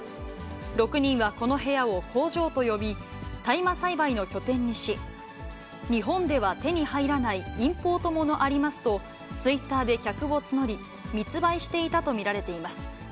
６人はこの部屋を工場と呼び、大麻栽培の拠点にし、日本では手に入らないインポートものありますと、ツイッターで客を募り、密売していたと見られています。